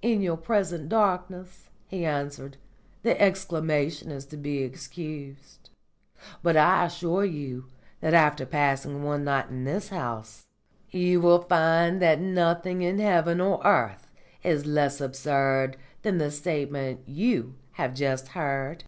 "In your present darkness," he answered, "the exclamation is to be excused. But I assure you that after passing one night in this house you will find that nothing in heaven or earth is less absurd than the statement you have just heard."